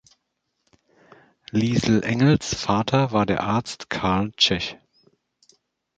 Lisl Engels Vater war der Arzt Karl Cech.